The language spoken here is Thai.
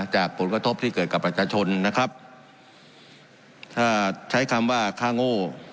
จากผลกระทบที่เกิดกับประชาชนนะครับถ้าใช้คำว่าค่าโง่